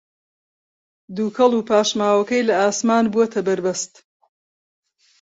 دووکەڵ و پاشماوەکەی لە ئاسمان بووەتە بەربەست